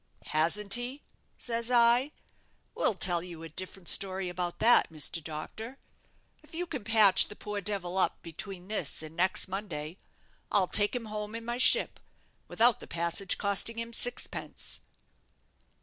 'Hasn't he?' says I; 'we'll tell you a different story about that, Mr. Doctor. If you can patch the poor devil up between this and next Monday, I'll take him home in my ship, without the passage costing him sixpence.'